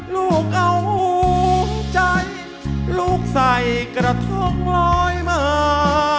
ลูกเอาใจลูกใส่กระทงลอยมา